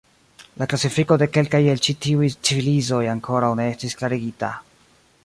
La klasifiko de kelkaj el ĉi tiuj civilizoj ankoraŭ ne estis klarigita.